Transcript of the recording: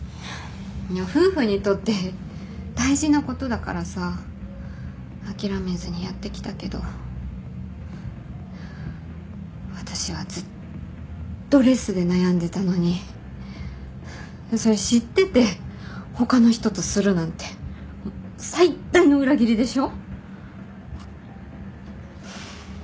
夫婦にとって大事なことだからさ諦めずにやってきたけど私はずっとレスで悩んでたのにそれ知ってて他の人とするなんて最大の裏切りでしょ？